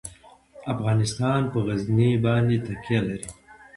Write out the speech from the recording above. افغانستان په غزني باندې تکیه لري.